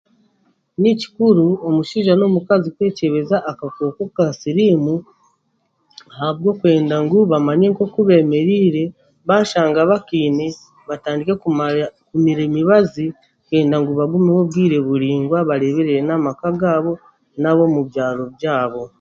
Ni kikuru omushaija n'omukazi kwekyebeza akakooko ka siriimu ahabwokwenda ngu bamanye oku beemererire bashanga bakaine bamanye okubaramire emibazi kwenda bagumeho obwire buringwa bareeberere n'amaka gaabo n'ab'omu byaro byabo